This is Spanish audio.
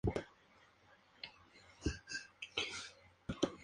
Entre las especies residentes se incluye la lechuza mora.